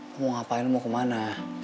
lo mau ngapain lo mau kemana